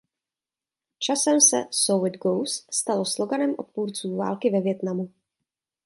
Časem se „So it goes“ stalo sloganem odpůrců války ve Vietnamu.